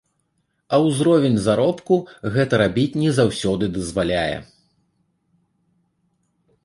А ўзровень заробку гэта рабіць не заўсёды дазваляе.